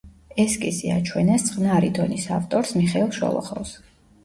ესკიზი აჩვენეს წყნარი დონის ავტორს მიხეილ შოლოხოვს.